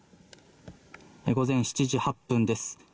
午前７時８分です。